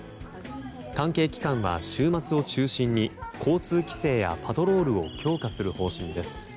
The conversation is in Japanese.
関係機関は週末を中心に交通規制やパトロールを強化する方針です。